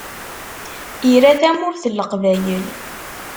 Ira Tamurt n Leqbayel.